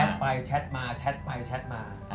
ไปแชทมาแชทไปแชทมา